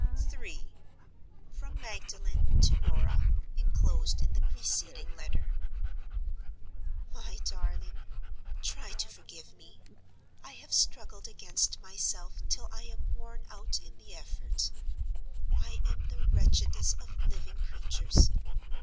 III. From Magdalen to Norah (inclosed in the preceding Letter). "MY DARLING,— "Try to forgive me. I have struggled against myself till I am worn out in the effort. I am the wretchedest of living creatures.